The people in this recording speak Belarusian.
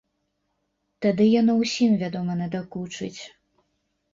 Тады яно ўсім, вядома, надакучыць.